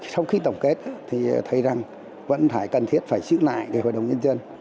sau khi tổng kết thì thấy rằng vẫn phải cần thiết phải giữ lại hội đồng nhân dân